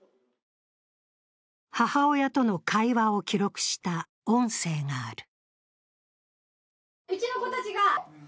母親との会話を記録した音声がある。